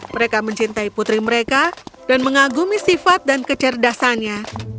mereka mencintai putri mereka dan mengagumi sifat dan kecerdasannya